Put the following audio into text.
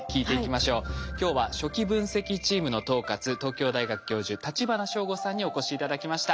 今日は初期分析チームの統括東京大学教授橘省吾さんにお越し頂きました。